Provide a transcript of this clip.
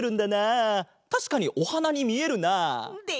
たしかにおはなにみえるな。でしょう？